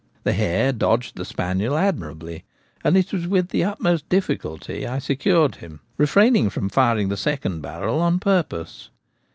The hare dodged the spaniel admirably, and it was with the utmost difficulty I secured him (refraining from firing the second barrel on purpose).